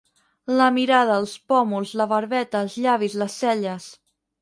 La mirada els pòmuls la barbeta els llavis les celles.